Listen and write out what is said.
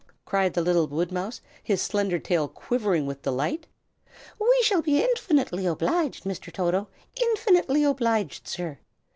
cried the little woodmouse, his slender tail quivering with delight. "We shall be infinitely obliged, Mr. Toto, infinitely obliged, sir!